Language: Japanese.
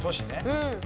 うん。